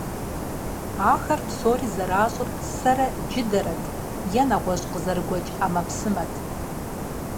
Ахэр псори зэращӀыр сэрэ джыдэрэт е нэгъуэщӀ къызэрыгуэкӀ Ӏэмэпсымэт.